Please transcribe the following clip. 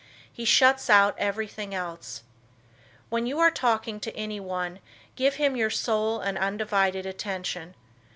He shuts out everything else. When you are talking to anyone give him your sole and undivided attention.